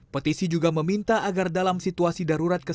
petisi juga meminta agar dalam situasi darurat kesehatan